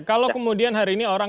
kalau kemudian hari ini orang